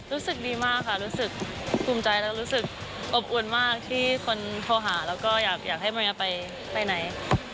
รู้สึกดีมากค่ะรู้สึกภูมิใจและรู้สึกอบอุ่นมากที่คนโทรหาแล้วก็อยากให้มาไปไหน